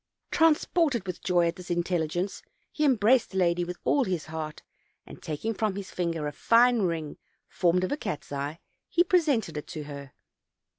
Transported with joy at this intelligence, he embraced the lady with all his heart, and, taking from his finger a fine ring formed of a cat's eye, he presented it' to her.